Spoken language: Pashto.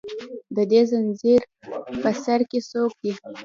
د دې زنځیر په سر کې څوک دي